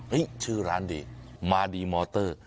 ชื่อร้านดีมาดีมอเตอร์